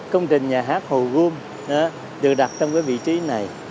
công trình nhà hát hồ gươm được đặt trong vị trí này